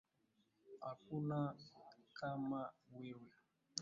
Hakuna kama wewe